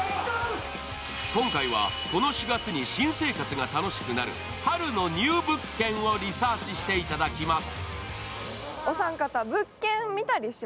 今回は、この４月に新生活が楽しくなる春のニュー物件をリサーチしていただきます。